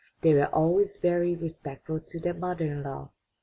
They were always very respectful to their mother in law.